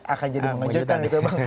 akan jadi mengejutkan